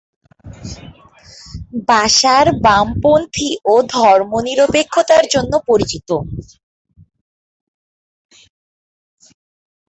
বাশার বামপন্থী ও ধর্মনিরপেক্ষতার জন্য পরিচিত।